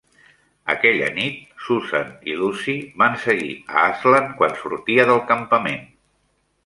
Aquella nit, Susan i Lucy van seguir a Aslan quan sortia del campament.